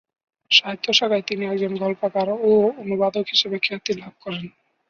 সাহিত্য শাখায় তিনি একজন গল্পকার ও অনুবাদক হিসেবে খ্যাতি লাভ করেন।